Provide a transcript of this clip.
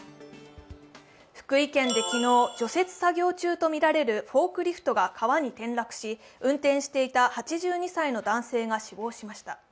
福井県で昨日、除雪作業中とみられるフォークリフトが川に転落し運転していた８２歳の男性が死亡しました。